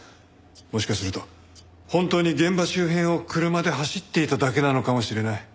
もしかすると本当に現場周辺を車で走っていただけなのかもしれない。